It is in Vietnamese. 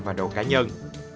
và độ cá nhân